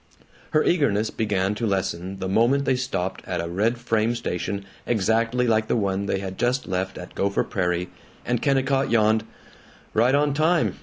Her eagerness began to lessen the moment they stopped at a red frame station exactly like the one they had just left at Gopher Prairie, and Kennicott yawned, "Right on time.